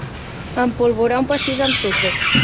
Empolvorar un pastís amb sucre.